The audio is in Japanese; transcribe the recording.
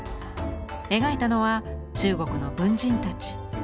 描いたのは中国の文人たち。